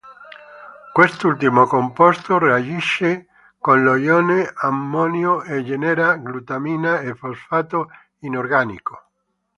Quest'ultimo composto reagisce con lo ione ammonio e genera glutammina e fosfato inorganico.